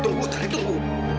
tunggu tarik tunggu